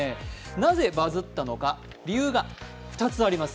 なぜバズったのか、理由が２つあります。